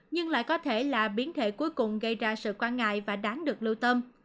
nhưng lại có thể là biến thể cuối cùng gây ra sự quan ngại và đáng được lưu tâm